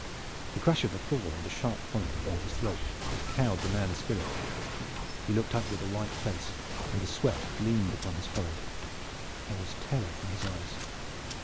The crash of the fall and the sharp point upon his throat had cowed the man's spirit. He looked up with a white face and the sweat gleamed upon his forehead. There was terror in his eyes.